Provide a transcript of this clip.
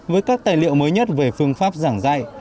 với các tài liệu mới nhất về phương pháp giảng dạy